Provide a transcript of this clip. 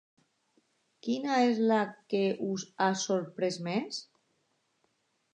Quina és la que us ha sorprès més?